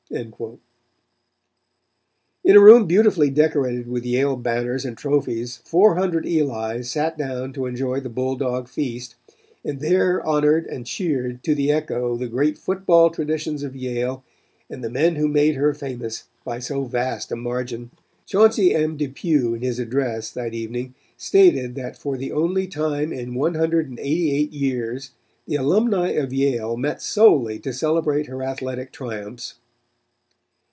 In a room beautifully decorated with Yale banners and trophies four hundred Elis sat down to enjoy the Bulldog Feast, and there honored and cheered to the echo the great football traditions of Yale and the men who made her famous by so vast a margin. Chauncey M. Depew in his address that evening stated that for the only time in one hundred and eighty eight years the alumni of Yale met solely to celebrate her athletic triumphs.